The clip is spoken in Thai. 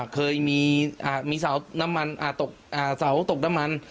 เคยมีอ่ามีเสาร์น้ำมันอ่าตกอ่าเสาร์ตกน้ำมัน